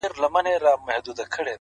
• راغلی مه وای د وطن باده ,